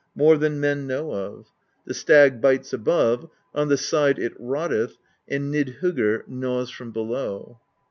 More than men know of: 30 PROSE EDDA The stag bites above; on the side it rotteth, And Nidhoggr gnaws from below.